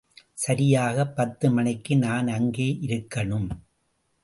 சரியாக பத்து மணிக்கு நான் அங்கே இருக்கனும்.